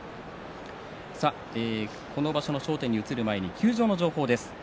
この場所の焦点に移る前に休場の情報です。